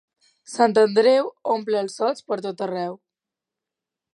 Sant Andreu omple els sots pertot arreu.